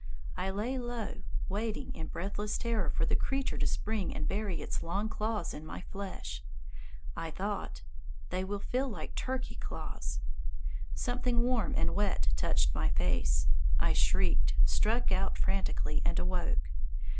I lay low, waiting in breathless terror for the creature to spring and bury its long claws in my flesh. I thought, "They will feel like turkey claws." Something warm and wet touched my face. I shrieked, struck out frantically, and awoke.